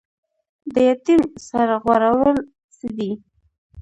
د یتیم سر غوړول څه دي؟